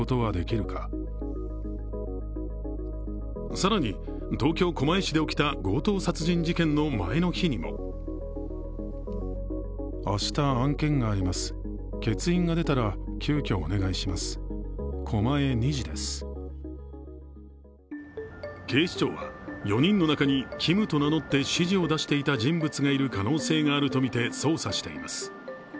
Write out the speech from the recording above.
更に東京・狛江市で起きた強盗殺人事件の前の日にも警視庁は４人の中に「Ｋｉｍ」と名乗って指示を出していた人物があるとみて可能性があるとみて捜査しています。